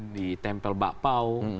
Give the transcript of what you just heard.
di tempel bakpao